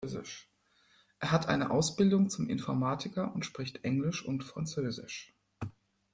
Er hat eine Ausbildung zum Informatiker und spricht Englisch und Französisch.